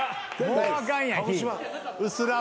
もうあかんやんフィー。